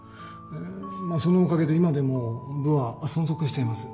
まあそのおかげで今でも部は存続しています。